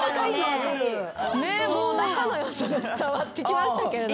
仲の良さが伝わってきましたけれども。